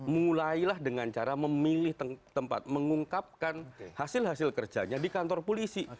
mulailah dengan cara memilih tempat mengungkapkan hasil hasil kerjanya di kantor polisi